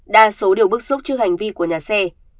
đa số đều bức xúc trước hành vi của nhà xe